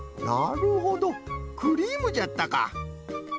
なるほどクリームじゃったか。